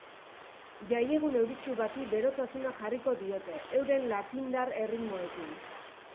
Jai egun euritsu bati berotasuna jarriko diote euren latindar erritmoekin.